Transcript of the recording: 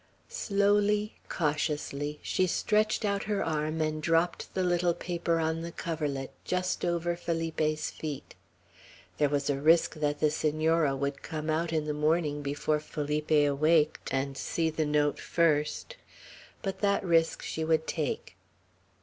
Slowly, cautiously, she stretched out her arm and dropped the little paper on the coverlet, just over Felipe's feet. There was a risk that the Senora would come out in the morning, before Felipe awaked, and see the note first; but that risk she would take.